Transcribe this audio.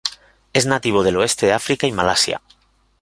Es nativo del oeste de África y Malasia.